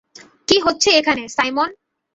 কী হচ্ছে এখানে, সাইমন?